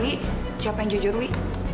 wi jawab yang jujur wi